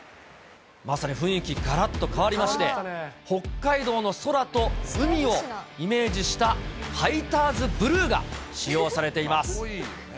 まさに雰囲気、がらっと変わりまして、北海道の空と海をイメージしたファイターズブルーが使用されています。